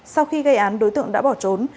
sau khi gây án đối tượng đã bỏ trốn